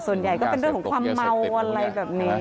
ส่วนใหญ่ก็เป็นเรื่องของความเมาอะไรแบบนี้